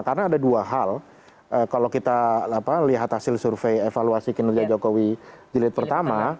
karena ada dua hal kalau kita lihat hasil survei evaluasi kinerja jokowi jilid pertama